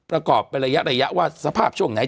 ระกอบไประยะระยะว่าสภาพช่วงไหน